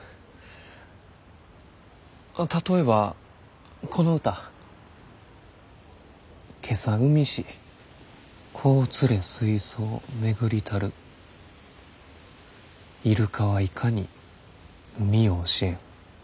例えばこの歌「今朝産みし子を連れ水槽巡りたるイルカは如何に海を教へむ」。